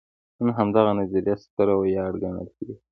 نن همدغه نظریه ستره ویاړ ګڼل کېږي.